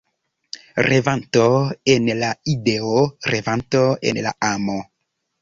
Revanto en la ideo, revanto en la amo.